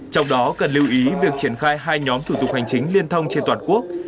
trong đó cần lưu ý việc triển khai hai nhóm thủ tục hành chính liên thông trên toàn quốc